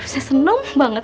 saya seneng banget